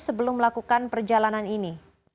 sebelum melakukan perjalanan ini